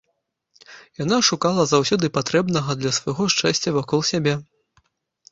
Яна шукала заўсёды патрэбнага для свайго шчасця вакол сябе.